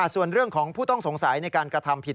ส่วนเรื่องของผู้ต้องสงสัยในการกระทำผิด